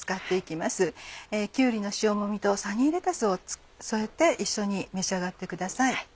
きゅうりの塩もみとサニーレタスを添えて一緒に召し上がってください。